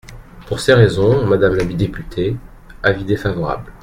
Pour ces raisons, madame la députée, avis défavorable.